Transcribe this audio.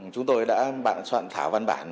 chúng tôi đã soạn thảo văn bản